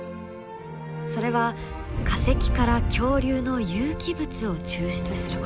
それは化石から恐竜の有機物を抽出すること。